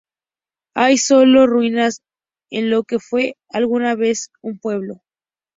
Hoy sólo quedan ruinas de lo que fue alguna vez un pueblo.